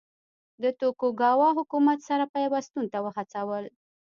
د توکوګاوا حکومت سره پیوستون ته وهڅول.